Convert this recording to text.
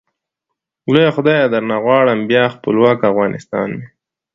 لويه خدايه درنه غواړم ، بيا خپلوک افغانستان مي